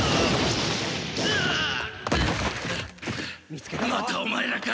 見つけたぞ！